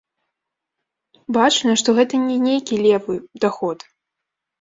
Бачна, што гэта не нейкі левы даход.